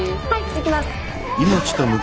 行きます。